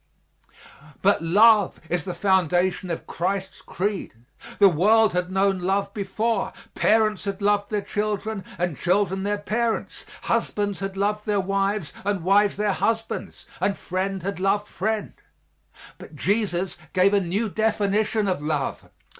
But love is the foundation of Christ's creed. The world had known love before; parents had loved their children, and children their parents; husbands had loved their wives, and wives their husbands; and friend had loved friend; but Jesus gave a new definition of love.